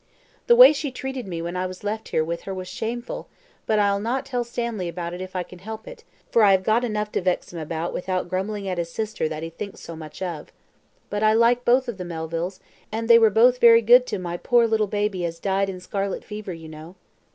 The way she treated me when I was left here with her was shameful; but I'll not tell Stanley about it if I can help it, for I have got enough to vex him about without grumbling at his sister that he thinks so much of. But I like both of the Melvilles, and they were both very good to my poor little baby as died in scarlet fever, you know.